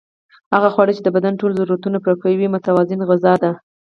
هغه خواړه چې د بدن ټول ضرورتونه پوره کړي متوازنه غذا ده